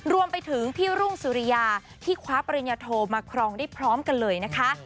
รวมไปถึงพี่รุ่งสุริยาที่คว้าปริญญาโทมาครองได้พร้อมกันเลยนะคะ